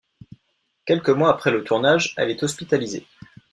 Quelques mois après le tournage, elle est hospitalisée.